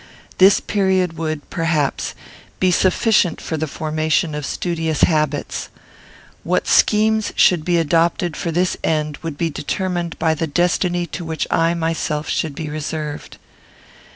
This period would, perhaps, be sufficient for the formation of studious habits. What schemes should be adopted for this end would be determined by the destiny to which I myself should be reserved.